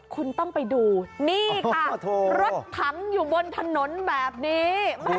คุณต้องไปดูนี่ค่ะรถถังอยู่บนถนนแบบนี้